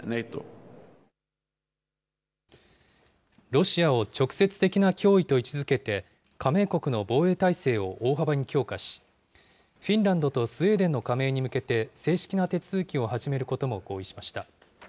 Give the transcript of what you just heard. ロシアを直接的な脅威と位置づけて、加盟国の防衛態勢を大幅に強化し、フィンランドとスウェーデンの加盟に向けて、正式な手続きを始めることも合意しました。